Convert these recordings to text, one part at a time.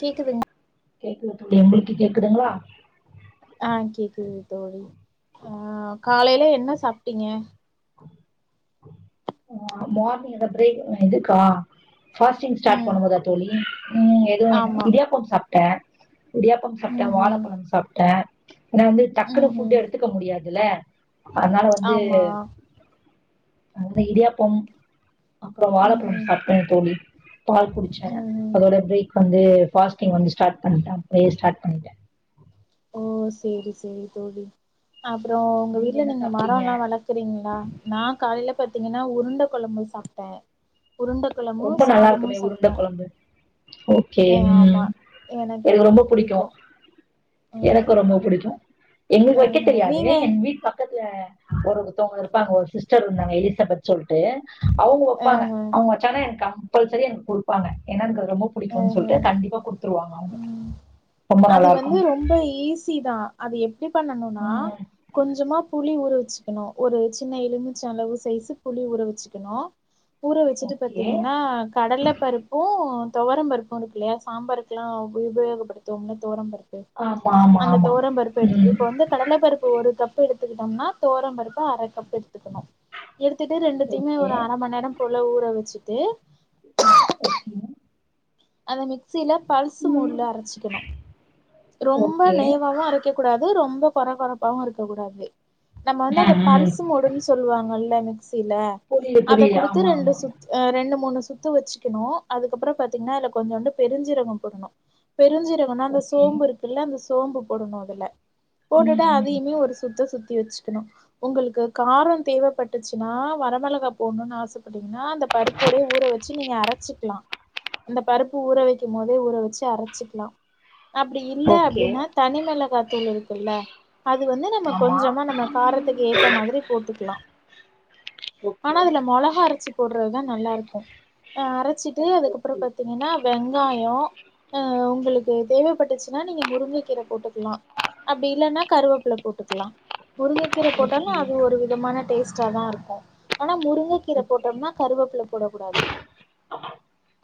கேக்குதுங் கேக்குது தோழி உங்ளுக்கு கேக்குதுங்ளா ஆ கேக்குது தோழி ஆ காலையிலே என்ன சாப்ட்டீங்க ஆ மோர்னிங் எத ப்ரேக் இதுக்கா ஃபாஸ்டிங் ஸ்டாட் ம் பண்ணும் போதா தோழி ம் எ ஆமா இடியாப்பம் சாப்ட இடியாப்பம் சாப்ட ம்ஹும் வாழபழம் சாப்ட னா வந்து டக்குனு ஃபுட் ம்ஹும் எடுத்துக்க முடியாதுல அதனால வந்து ஆமா அதுதா இடியாப்பம் அப்றோ வாழபழம் ம்ஹும் சாப்ட தோழி பால் குடிச்ச ம்ஹும் அதோட ப்ரேக் வந்து ஃபாஸ்டிங் வந்து ஸ்டாட் பண்ட்ட அப்டியே ஸ்டாட் பண்ட்ட ஓ செரி செரி தோழி அப்றோ உங்க வீட்ல என்ன நீங்க சாப்ட்டீங்க மரொல்லா வளக்குறீங்ளா நா காலைல பாத்தீங்கன்னா உருண்ட கொளம்பு சாப்ட்ட உருண்ட கொளம்பு ரொம்ப நல்லா சாதமு இருக்குமே உருண்ட சாப்ட்ட கொழம்பு ஓகே ம் எனக்கு ரொம்ப புடிக்கு அ எனக்கு ரொம்ப புடிக்கு எங்களுக் வைக்க ஆஹ தெரியாது நீங்க என் வீட் பக்கத் ல ஒருத்தொங்க இருப்பாங்க ஒரு சிஸ்டர் இருந்தாங்க எலிசபத் சொல்ட்டு அவங்க அ வெப்பாங்க அவங்க வச்சானா எனக் கம்பல்சரி எனக் குடுப்பாங்க என ரொம்ப புடிக்குன் சொல்ட்டு கண்டிப்பா குட்த்துருவாங்க அவங்க ம் ரொம்ப அது நல்லா வந்து இருக்கும் ரொம்ப ஈஸி தா அது எப்டி பண்ணணுனா ம் கொஞ்சமா புளி ஊர வச்சுக்கணு ஒரு சின்ன எலுமிச்ச அளவு சைசு புளி ஊற வெச்சுக்கணு ஊர வெச்சுட்டு ஓகே பாத்தீங்கன்னா கடல பருப்பும் தொவரம்பருப்பும் இருக்குல்லையா சாம்பாருக்ல்லா உபயோகப்படுத்துவம்ல துவரம்பருப் ஆமா ஆமா அந்த ஆமா தொவரம் பருப்பு எட்த்துக்கனு ம் இப்ப வந்து கடல பருப்பு ஒரு கப்பு எடுத் த்துகுட்டோம்னா தொவரம்பருப்பு அரக்கப்பு எட் த்துக்கணு எடுத்துட்டு ரெண்டுத்தையுமே ஓகே ஒரு அர மநேரம் போல ஊற வெச்சுட்டு ஓகே அத மிக்ஸில பல்ஸ் ம் மூட்ல அரச்சிக்கணு ரொம்ப ஓகே நெய்வாவு அரைக்கக் குடா ரொம்ப கொற கொறப்பாவு இருக்க குடாது நம்ம வந்து ம் அந்த ம் பல்சு மூடுன் சொல்லுவாங்கல்ல சில புரியுது அத புரியுது குடுத்து ஆமா ரெண்டு ஆமா சுத் ஆ ரெண்டு மூணு சுத் சுத்து வச்சுக்கணு அதுக்கப்றொ பாத்திங்ன்னா அல கொஞ்சோண்டு பெருஞ்சீரகம் போடணு பெரிஞ்சீறகொன்னா அந்த ஓகே சோம்பு இருக்குல்ல அந்த சோம்பு போடணு அதுல ம் போட்டுட்டு ம் அதையுமே ஒரு சுத்து சுத்தி வச்சு உங்களுக்கு காரம் தேவைப்பட்டுச்சுன்னா வரமிளகா போணும்னு ஆசைப்பட டிங்கனா அந்த பருப்போடைய ஊற வச்சு நீங்க அரைச்சிக்கலா அந்த பருப்பு ஊற வைக்கும் போதே ஊற வச்சு அரைச்சிக்கலா அப்படி இல்ல ஓகே அப்படின்னா தனிமல காத்தூள் இருக்குல்ல அது வந்து நம்ம ஆமா கொஞ்சமா நம்ம காரத்துக்கு ஏத்த மாதிரி போட்டுக்கலா ஆனா ஓகே அதுல மிளகா அரைச்சு போடுறதுதான் நல்லா இருக்கும் அரைச்சிட்டு ஓகே அதுக்கப்புறம் ஓகே ப்த்தீங்கன்னா வெங்காயம் உங்களுக்கு தேவைப்பட்டுச்சுன்னா நீங்க முருங்கை கீரை போட்டுக்கலா அப்படி இல்லன்னா கருவேப்பள்ள போட்டுக்கலா முருங்கக்கீரை போட்டாலும் ஓகே அது ஒரு விதமான டேஸ்டாதான் இருக்கும் ஆனா முருங்கை கீரை ஓகே போட்டோம்னா கருவேப்பள்ள போடக்கூடாது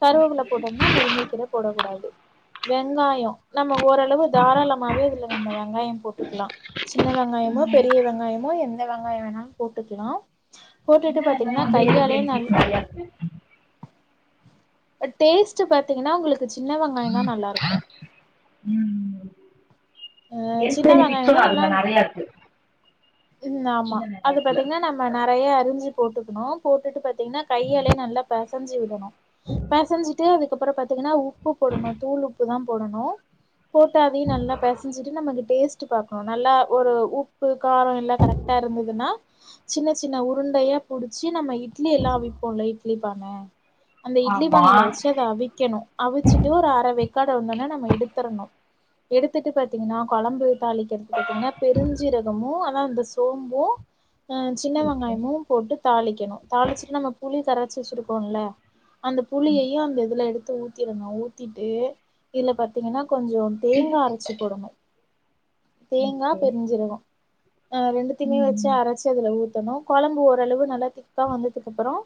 கருவேப்புள்ள ஓகே முருங்கைக்கிற போடக்க கூடாது வெங்காய நம்ம ஓரளவு தாராளமாவே இதுல நம்ம வெங்காய போட்டுக்கலா சின்ன வெங்காய வெங்காயம ம் பெரிய வெங்காயமோ எந்த வெங்காய வேணாலும் போட்டுக்கலா சின்ன போட்டுட்டு வெங்காயம் பாத்தீங்கன்னா வந்து ஹெல்த் கையாலே நல் பெனிஃபிட்ஸ் நெறையா இருக்கு டேஸ்ட் பாத்தீங்கன்னா உங்களுக்கு சின்ன வெங்காய தான் நல்லா இருக்கு ம் அ ஹெல்த் சின்ன பெனிஃபிட்ஸு வெங்காயம் தா நல்லா அதுல நெறையா இருக்கு ம் ஆமா சின்ன அது வெங்காயத்துல பாத்தீங்கன்னா நம்ம நறைய அறிஞ்சு போட்டுக்கணும் போட்டுட்டு பாத்த ன்னா கையாலே நல்லா பசஞ்சு விடணும் பசஞ்சிட்டு அதுக்கப்புறம் பத்தி பன்னா உப்பு போடணும் தூள் உப்பு தான் போடணும் போட்ட அதையும் நல்லா பெசஞ்சிட்டு நமக்கு டேஸ்ட் பார்க்கணு நல்ல ஒரு உப்பு காரம் எல்லாம் கரெக்டா இருந்ததுன்னா சின்ன சின்ன சின்ன உருண்டையா புடிச்சு நம இட்லி எல்லாம் விப்போம்ல இட்லி பான அந்த இட்லி ஆமா பானையில வச்சு அதை அவிக்கணு அவிச்சிட்டு ஒரு அற வ க வந்தோனே நம்ம எடுத்தரணு எடுத்து த்துட்டு பாத்தீங்கன்னா குழம்பு தாளிக்கிறதுக்கு பாத்தீங்கன்னா பெருஞ்சீரகமும் அதனா அந்த சோம்பும் ஆ சின்ன ஓகே வெங்காயமும் போட்டு தாளிக்கணும் தாளிச்சுட்டு நம்ம புளி கரைச்சி வச்சிருக்கோம்ல அந்த கண்- புளியையும் அந்த இதுல எடுத்து ஊத்திடுங்க ஊத்திட்டு இதுல பாத்தீங்கன்னா கொஞ்சம் தேங்காய் அரைச்சு போடணும் தேங்காய் ஓகே பெரிஞ்சீரகம் ஆ ரெண்டு தும ம் வச்சு ம். அரைச்சது ஊணும் குழம்பு ஊ ஓ அளவு நல்லா திக்கா வந்ததுக்கு அப்புறம்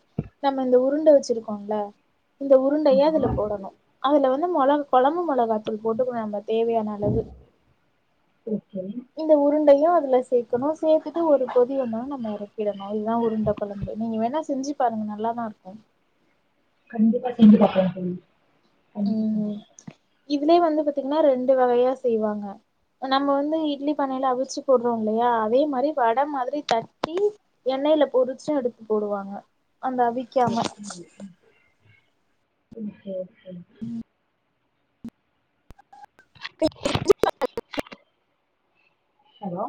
நம்ம இந்த உருண்டை வச்சிருக்கோம்ல இந்த உருண்டையா அதுல ஆமா போடணு அதுல வந்து மிளக குழம்பு மிளகாத்தூள் போட்டு நம்ம தேவைய அளவு ஓகே இந்த உருண்டையு அதுல சேர்க்கணு சேர்த்துட்டு ஒரு பொ வந்தாலும் நம்ம இறக்கிடணும் இதுதான் உருண்ட பழம்பு நீங்க வேணா செஞ்சு பாருங்க நல்லாாதான் இருக்கும் அந்த ம் சந்துல இதுலயே வந்து பாத்தீங்கன்னா ரெண்டு வகையா செய்வாங்க நம்ம வந்து இட்லி பானைல அவுச்சி போடுவோம்லயா அதே மாரி வட மாதிரி தட்டி எண் ணெய்ல பொரிச்சு எடுத்து போடுவாங்க அந்த அவிக்காம okay okay okay okay hello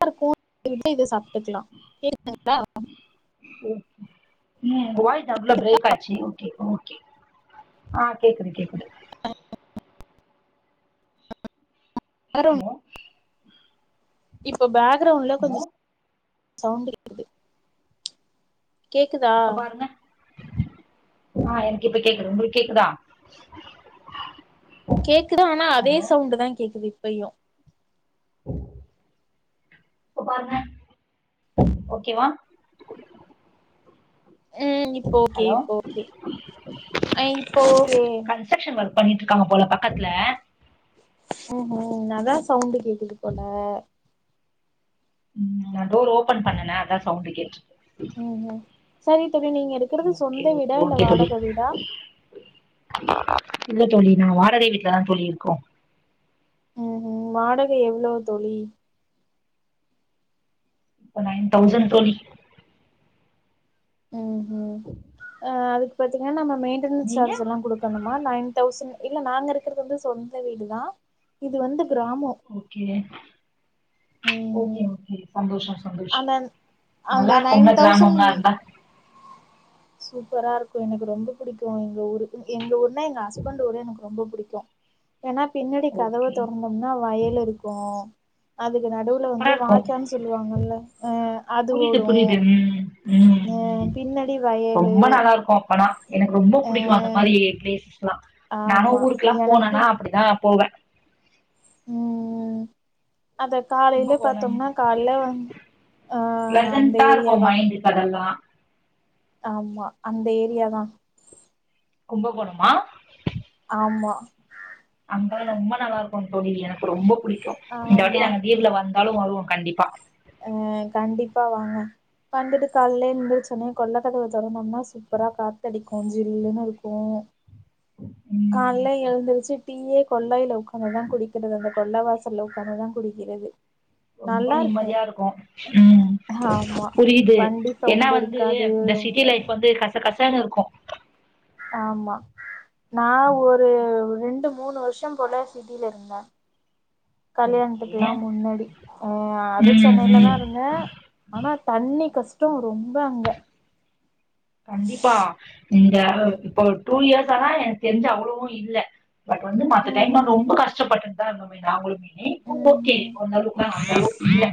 [unintelligible] சாப்ட்டுக்குலா கேக்குதுங்களா ஓகே. ம் உங்க வாய்ஸ் நடுவுல பிரேக் ஆயிச்சு ஓகே ஓகே ஆ கேக்குது கேக்குது ஹலோ இப்ப பேக்ரௌண்ட்ல ஹலோ கொஞ்சோ சவுண்ட் கேக்குது கேக்குதா இப்ப பாருங்க ஆ எனக்கு இப்ப கேக்குது உங்குளுக்கு கேக்குதா கேக்குது ஆனா அதே ஹலோ சவுண்டதா கேக்குது இப்பயோ ஓம் இப்ப பாருங்க ஓகேவா ம் இப்போ ஓகே ஹலோ இப்போ ஓகே இப்போ ஓகே கன்ஸ்டக்ஷன் வொர்க் பண்ணிட்டுருக்காங்க போல பக்கத்துல ஹு ஹும் அதா சவுண்டு கேக்குது போல ம் நா டோர் ஓபன் பண்ணுன அதா சவுண்டு கேட்றுக் உம் உம் சரி தோழி நீங்க இருக்குறது ஓகே சொந்த ஓகே வீடா இல்ல ஓகே தோழி வாடக வீடா இல்ல தோழி நா வாடகை வீட்டுலதா தோழி இருக்கோ ம் ம் வாடகை எவ்ளோ தோழி இப்ப நைன் தௌசண்ட் தோழி உம் உம் அ அதுக்கு பாத்தீங்கன்னா நம்ம மெயின்டெனன்ஸ் நீங்க ஜார்ஜுலா குடுக்கணுமா நைன் தௌசணு இல்ல நாங்க இருக்குறது வந்து சொந்த வீடுதா இது வந்துப் ஓகே ஓகே ம் ஓகே சந்தோஷோ சந்தோஷோ அந்த அந்த நல்லா நைன் இருக்கோம்ல தௌசண்ட் கிராமம்லா இருந்தா சூப்பரா இருக்கோ எனக்கு ரொம்ப பிடிக்கோ எங்க ஊரு எங்க ஊர்ன்னா எங்க ஹஸ்பண்ட் ஊரு எனக்கு ரொம்ப பிடிக் கு ஏன்னா பின்னாடி கதவ ஓகே தொறந்தோம்னா வயலு இருக்கோ அதுக்கு நடுவுல சூப்பரா வந்து இருக்கும் வாய்க்கானு சொல்லுவாங்கல்ல அ அது புரியுது ஓடோ புரியுது ம் ம் அ ம் பின்னாடி வயல் ரொம்ப நல்லா இருக்கோ அப்பனா எனக்கு ரொம்ப பிடிக்கோ அந்த மாரி ப்ளேஸ் லா நானோ ஆமா ஊருக்குலா போனேனா அப்படிதா போவ ம் ம் அத காலைல பாத்தோம்னா காலைல வந் ஆ அந்த ப்ளசண்டா இருக்கோ ஏரியா தா மைண்டுக்கு அதல்லா ஆமா அந்த ஏரியாதா கும்பகோணமா ஆமா அங்க தா நா ரொம்ப நல்லா இருக்கும் தோழி எனக்கு ரொம்ப பிடிக்கோ இந்த வாட்டி ஆமா நாங்க லீவுல வந்தாலோ வருவோ கண்டிப்பா அ கண்டிப்பா வாங்க வந்துட்டு காலைல எந்திறச் சொன்னே கொல்லக்கதவ தொறந் வந்தா சூப்பரா காத்தடிக்கோ ஜில்லுனு இருக்கோ ம் காலல எழுந்திருச்சு டீயே கொல்லைல ஒக்காந்துதா குடிக்குறது அந்த கொல்ல வாசல்ல ஒக்காந்துதா குடிக்கிறது நல்லா இருக்கோ இருக்கோ ம் புரியுது வண்டி ஏனா சவுண்ட் வந்து இருக்காது இந்த சிட்டி ரொம்ப லைஃப் வந்து கஷ கஷனு இருக்கோ ஆமா நா ஒரு ரெண்டு மூணு வர்ஷோ போல சிட்டில இருந்த ஓகே கல்யாணத்துக்குலா முன்னாடி அ அதுவு ம் ம் சென்னைலதா இருந்த ஆனா தண்ணி கஷ்டோ ரொம்ப அங்க கண்டிப்பா இந்த இப்ப டூ இயர்ஸ் ஆனா எனக்கு தெரிஞ்சு அவ்ளவு இல்ல பட் வந்து மத்த ம் டைம்ல ம் ரொம்ப கஷ்டப்பட்டு தா இருந்தோமே நாங்களுமே மே இப்போ ம் ஓகே ம் போ அந்த அளவுக்ளா அந்த அளவுக்கு இல்ல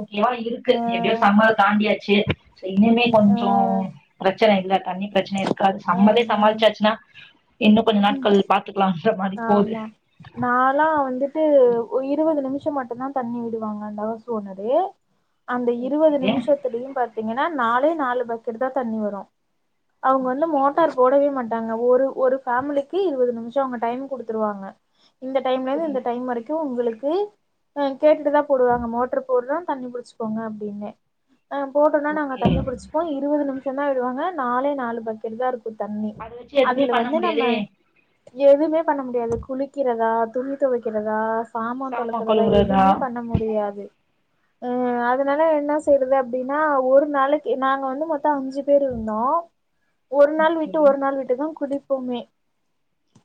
ஓகேவா இருக்கு ஆ எப்படியோ சம்மர தாண்டியாச்சு இனிமே கொஞ்சோ பிரச்சன இல்ல தண்ணி பிரச்சன இருக்காது ஆ சம்மரே சம்மாளிசாச்சுன்னா இன்னும் கொஞ்சம் நாட்கள் பாத்துக்கலாம் ஆமா நாலா வந்துட்டு இருபது நிமிஷம் மட்டும்தான் தண்ணி விடுவாங்க அந்த ஹவுஸ் ஓனரு அந்த ஓகே. இருபது நிமிஷத்துலயும் பாத்தீங்கன்னா நாலே நாலு பக்கெட் தான் தண்ணி வரும் அவங்க வந்து அச்சச்சோ! மோட்டார் போடவே மாட்டாங்க ஒரு ஒரு ஃபேமிலிக்கு இருபது நிமிஷம் அவங்க டைம் கொடுத்துருவாங்க இந்த டைம்ல இருந்து இந்த புரியுது. டைம் வரைக்கும் உங்களுக்கு ஹ கேட்டுட்டுதான் போடுவாங்க மோட்டரு போடுர தண்ணி புடிச்சுக்கோங்க அப்படின்னு ஹ போட்டோம்னா நாங்க ஓகே. தண்ணி புடிச்சுப்போம் இருபது நிமிஷம் தான் விடுவாங்க நாலே நாலு பக்கெட் தான் இருக் இங்கு தண்ணி அத வச்சு எதுவுமே அதுல பண்ண வந்து நம்ம முடியாதே! எதுவுமே பண்ண முடியாது குளிக்கிறதா துணி துவைக்கிறதா சாமா தொலக்குரதா எதுவுமே பண்ண முடியாது அஹ் அதனால என்ன செய்யறது அப்படின்னா ஒரு நாளைக்கு நாங்க வந்துமொத் தோ அஞ்சு பேர் இருந்தோ ஒரு நாள் விட்டு ஓகே. ஒரு நாள் விட்டுதான் குளிப்போமே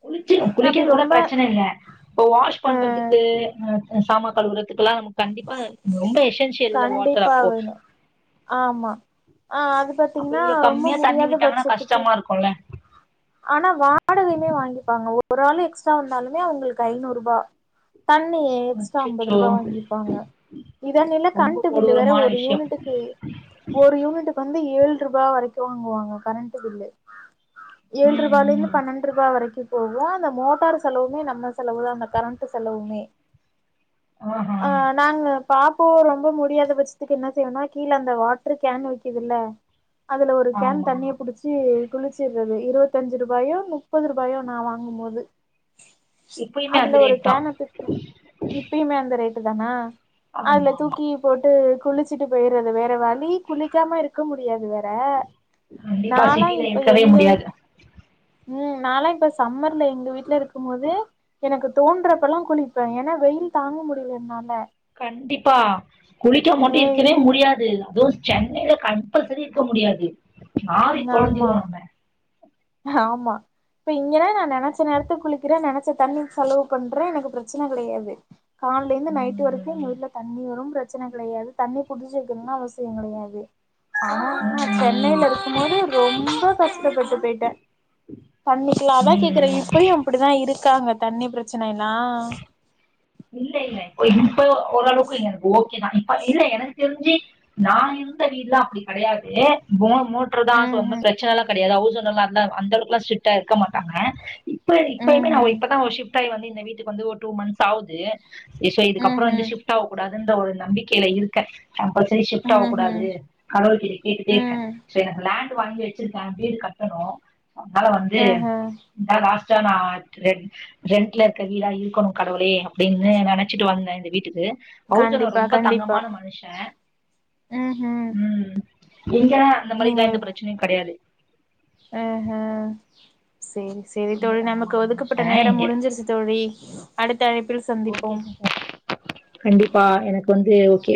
குளிச்சு குளிக்கறது கூட பிரச்சன இல்ல இப்ப வாஷ் பண்றதுக்குஹ சாமா கழுவுறத் துக்குலாம் கண்டிப்பா ரொம்ப எசென்சியல் இல்ல வாட்டர் கண்டிப்பா அப்போ வேணு ஆமா ஆஹ் அது அப்ப பாத்தீங்கனா இவ்ளோ ரொம்ப கம்மியா தண்ணி முடியாத விட்டாங்கன்னா பட்சத்துக்கு கஷ்டமா இருக்குல்ல ஆனா வாடகையுமே வாங்கிப்பாங்க ஒரு ஆளு எக்ஸ்ட்ரா வந்தாலுமே அவுங்களுக்கு ஐநூற் ருபா தண்ணிய எக்ஸ்ட்ரா ஐம்பது அச்சச்சோ ரூபா வாங்கிப்பாங்க இதானில்ல ரொம்ப கரன்ட்டு பில்லு வேற கொடூரமான ஒரு விஷயம் யூனிட்டுக்கு ஒரு யூனிட்டுக்கு வந்து ஏழ் ரூபா வரைக்கும் வாங்குவாங்க கரண்ட்டு பில்லு ம் ஏழ்ரூபாலருந்து ம் பன்னென்ருபா வரைக்கு பொதுவா அந்த மோட்டார் செலவுமே நம்ம செலவு தான் அந்த கரண்ட்டு செலவுமே ஆஹா ஆஹ் நாங்க பாப்போம் ரொம்ப முடியாத பட்சத்துக்கு என்ன செய்யணும்னா கீழ அந்த வாட்டர் கேன் விக்குதில்ல அதுல ஒரு கேன் ஆமா தண்ணிய புடிச்சி குளிச்சிர்றது இருவத் தஞ்சுருபாயோ முப்பதுருவாயோ நான் வாங்கும் போது இப்பயுமே அந்த அதுல ஒரு ரேட் தா கேனத்தூக்க இப்பயுமே அந்த ரேட் டுதானா அதுல ஆமா ஆமா தூக்கி போட்டு குளிச்சிட்டு போயிர்றது வேற வழி குளிக்காம இருக்க முடியாது வே ற கண்டிப்பா நாலா சிட்டில இப்ப இருக்கவே எங்க முடியாது வீட் நால இப்ப சம்மர்ல எங்க வீட்டுல இருக்கும் போது எனக்கு தோன்றப்பல்லாம் குளிப்பேன் ஏன்னா வெயில் தாங்க முடியில என்னால கண்டிப்பா குளிக்காம மட்டும் ஏ இருக்கவே இங் முடியாது அதுவும் சென்னையில கம்பல்சரி இருக்க முடியாது நாறி ஆமா தொலஞ்சிருவோம் நம்ம ஆமா இப்ப இங்கன்னா நான் நெனச்ச நேரத்து குளிக்கிறேன் நெனச் ச தண்ணி செலவு பண்றே எனக்கு பிரச்சனை கடையாது கால்லேந்து நைட் வரைக்கும் எங்க ம் வீட்ல தண்ணி வரும் பிரச்சன கடையாது தண்ணி புடுச்சு வெக்கனுன்னு அவசியம் கடையாது ஆனா ம் ம் சென்னையில இருக்கும் போது ரொம்ப கஷ்டப்பட்டு போயிட்டேன் பண்ணிக்கலாம் அதான் கேக்குறேன் ம் இப்பயும் அப்படிதான் இருக் கா அங்க தண்ணி பிரச்சனயெல்லாம் இல்ல இல்ல இப்ப இப்போ ஓரளவுக்கு எனக்கு ஓகேதான் ப்ப இல்ல எனக்கு தெரிஞ்சு நான் இருந்த வீட்லா அப்டி கடையாது போர் மோட்டர் தான் ம் சொந்த ம் பிரச்சனல்லாம் கடையாது ஹவுஸ் ஓனர்லா அந்த அளவுக்லாம் ஸ்ரிட்டா இருக்க மாட்டாங்க இப்ப ம் இப்பயுமே நா ஒரு ம் இப்பதான் நான் ஒரு ஸிஃப்ட் டாயி வந்து இந்த வீட்டுக்கு வந்து ஒரு டூ மந்த் தாவுது இச ம் இதுக்கப்றோ வந்து ம் ஷிஃப்ட் ஆவக்கூடாதுன்ற ஒரு நம்பிக்கைல இருக்கே கம்பல்சரி ம் ஷிஃப்ட் ம் ஆவக்கூடாது கடவுள் கிட்ட கேட்டுட்டேருக்கே ம் ஸோ எனக் லேண் டு வாங்கி வச்சிருக்கே வீடு கட்டணூ அத்னால வந்து ஆஹ இந்தாடா ச்சனாட் ரெட் ரெண்ட்லருக்க வீடா இருக்கோ கடவுளே அப்டின்னு நெனச்சிட்டு வந்தே இந்த வீட்டுக்கு ஹவுஸ் ஓனர் கண்டிப்பா ரொம்ப கண்டிப்பா தங்கமான மனிஷே ம் இங்க அந்த மாரிலா எந்த ப்ரச்னையூ கெடையாது ஆ ஹ செரி செரி ரொம்ப தோழி தங்கமான நமக்கு மனுஷ ஒதுக்கப்பட்ட நேரம் இங்க முடிஞ்சிருச்சு தோழி அடுத்த அழைப்பில் ஓகே சந்திப்போம் சிஸ்டர் கண்டிப்பா எனக்கு வந்து ஓகே